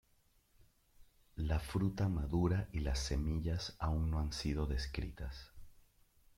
La fruta madura y las semillas aún no han sido descritas.